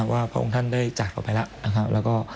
ว่าพระองค์ท่านถึงใจจากไปแล้ว